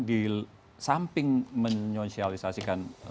di samping menyonsialisasikan